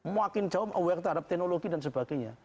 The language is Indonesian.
makin jauh aware terhadap teknologi dan sebagainya